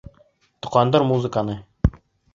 Тоҡандыр музыканы!